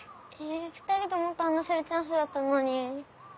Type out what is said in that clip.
２人ともっと話せるチャンスだったのに。